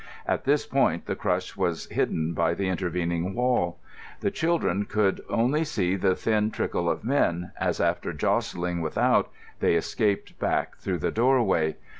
At this point the crush was hidden by the intervening wall. The children could only see the thin trickle of men, as after jostling without they escaped back through the doorway.